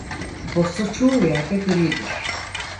Postu çoğu yerde gridir.